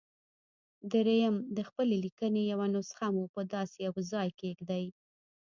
درېيم د خپلې ليکنې يوه نسخه مو په داسې يوه ځای کېږدئ.